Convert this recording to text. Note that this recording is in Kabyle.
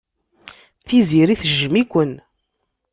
Tiziri tejjem-iken.